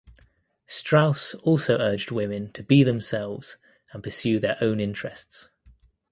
Strauss also urged women to be themselves and pursue their own interests.